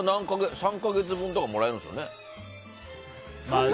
３か月分とかもらえるんですよね。